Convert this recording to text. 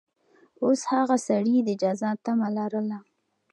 اوس هغه سړي د جزا تمه لرله.